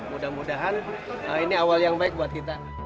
mudah mudahan ini awal yang baik buat kita